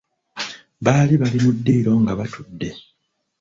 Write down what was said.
Baali bali mu ddiiro nga batudde.